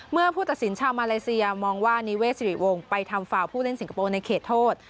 เมื่อผู้ตัดสินชาวมาเลเซียมองว่านิเวศสิริวงศ์ไปทำฟาวผู้เล่นสิงคโปร์ในเขตโทษ